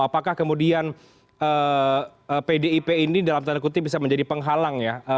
apakah kemudian pdip ini dalam tanda kutip bisa menjadi penghalang ya